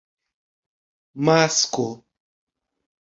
masko